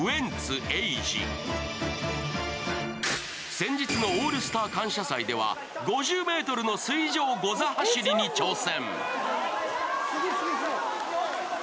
先日の「オールスター感謝祭では５０ｍの水上ゴザ走りに挑戦。